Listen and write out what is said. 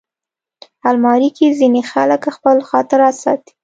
الماري کې ځینې خلک خپل خاطرات ساتي